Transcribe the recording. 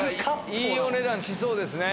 いいお値段しそうですね。